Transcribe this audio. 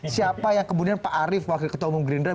siapa yang kemudian pak arief wakil ketua umum gerindra